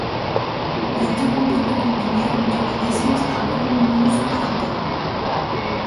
Les deux compagnies combinées ont donné naissance à Brand New Stardom.